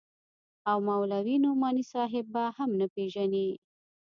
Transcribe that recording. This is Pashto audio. او مولوي نعماني صاحب به هم نه پېژنې.